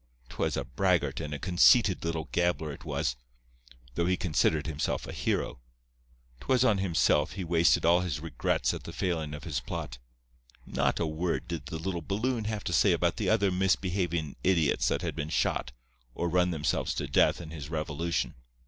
'Twas a braggart and a conceited little gabbler it was, though he considered himself a hero. 'Twas on himself he wasted all his regrets at the failin' of his plot. Not a word did the little balloon have to say about the other misbehavin' idiots that had been shot, or run themselves to death in his revolution.